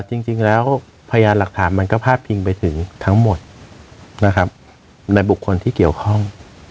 จริงแล้วพยานหลักฐานมันก็พาดพิงไปถึงทั้งหมดนะครับในบุคคลที่เกี่ยวข้อง